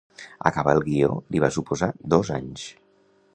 Acabar el guió li va suposar dos anys.